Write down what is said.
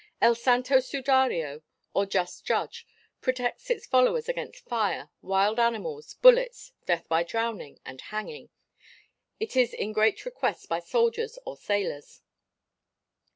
El Santo Sudario or Just Judge protects its followers against fire, wild animals, bullets, death by drowning, and hanging, it is in great request by soldiers or sailors.